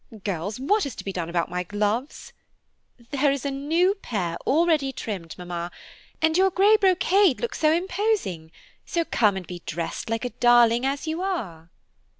Girls, what is to be done about my gloves?" "There is a new pair all ready trimmed, mamma, and your grey brocade looks so imposing, so come and be dressed like a darling as you are."